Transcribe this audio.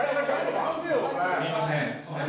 すみません。